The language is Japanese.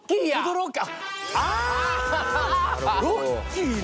ロッキーね！